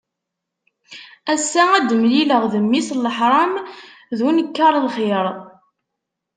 Ass-a ad d-mlileɣ d mmi-s n leḥṛam d unekkaṛ lxir.